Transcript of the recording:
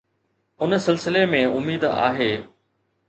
ان سلسلي ۾ اميد آهي.